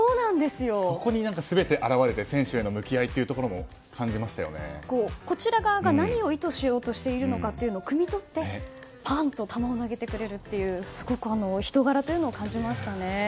そこに全て表れて選手への向き合いもこちら側が何を意図しようとしているかをくみ取って、パンと球を投げてくれるというお人柄というのを感じましたね。